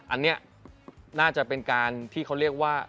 อันนี้น่าจะเป็นการที่เขาเรียกว่า